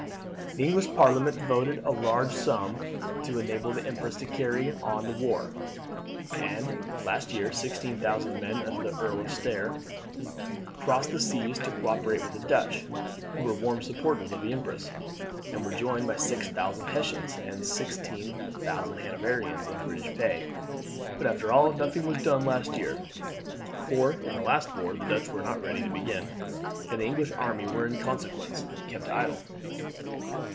"The English parliament voted a large sum to enable the empress to carry on the war, and last year sixteen thousand men under the Earl of Stair crossed the seas to cooperate with the Dutch, who were warm supporters of the empress, and were joined by six thousand Hessians and sixteen thousand Hanoverians in British pay; but after all nothing was done last year, for as in the last war the Dutch were not ready to begin, and the English army were in consequence kept idle."